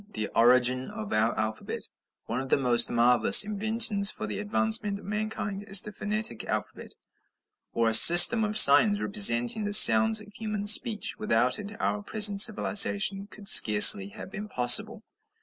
THE ORIGIN OF OUR ALPHABET One of the most marvellous inventions for the advancement of mankind is the phonetic alphabet, or a system of signs representing the sounds of human speech. Without it our present civilization could scarcely have been possible.